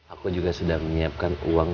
aku juga sedang menyiapkan uang